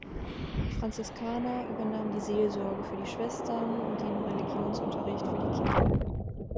Die Franziskaner übernahmen die Seelsorge für die Schwestern und den Religionsunterricht für die Kinder.